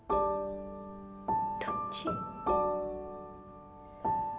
どっち？